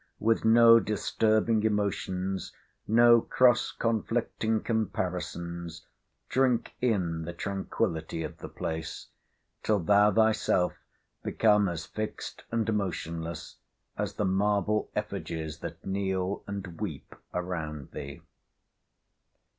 With no disturbing emotions, no cross conflicting comparisons, drink in the tranquillity of the place, till thou thyself become as fixed and motionless as the marble effigies that kneel and weep around thee.